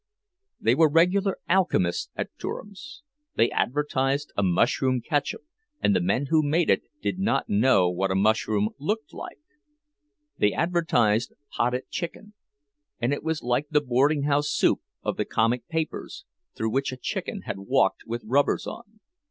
They were regular alchemists at Durham's; they advertised a mushroom catsup, and the men who made it did not know what a mushroom looked like. They advertised "potted chicken,"—and it was like the boardinghouse soup of the comic papers, through which a chicken had walked with rubbers on.